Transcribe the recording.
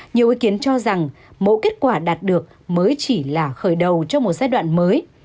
nhiều ý kiến cho rằng mẫu kết quả đạt được mới chỉ là khởi đầu cho một giai đoạn mới